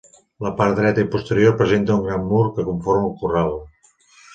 La part dreta i posterior presenta un gran mur que conforma el corral.